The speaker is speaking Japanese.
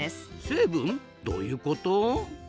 成分？どういうこと？